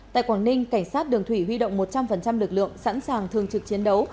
tại quảng ninh cảnh sát đường thủy huy động một trăm linh lực lượng sẵn sàng thường trực chiến đấu